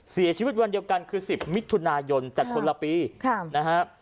เสียชีวิตวันเดียวกันคือ๑๐มิถุนายนจัดคนละปีนะฮะ